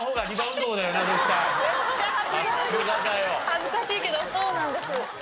恥ずかしいけどそうなんです。